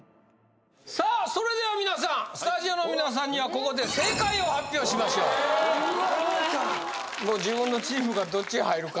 さあそれでは皆さんスタジオの皆さんにはここで正解を発表しましょうもう自分のチームがどっちへ入るか